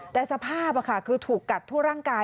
แต่สภาพคือถูกกัดทั่วร่างกาย